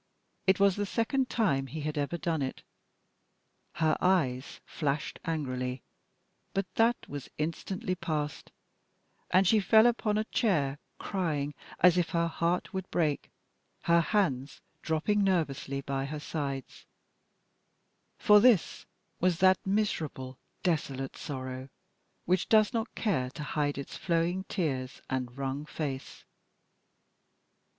It was the second time he had ever done it. Her eyes flashed angrily, but that was instantly past, and she fell upon a chair crying as if her heart would break, her hands dropping nervously by her sides; for this was that miserable, desolate sorrow which does not care to hide its flowing tears and wrung face.